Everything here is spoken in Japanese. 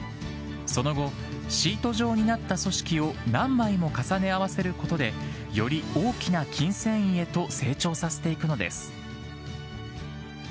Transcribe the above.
その後、シート状になった組織を何枚も重ね合わせることで、より大きな筋繊維へと成長させていくのです。